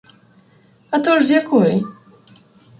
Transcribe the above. А то ж з якої?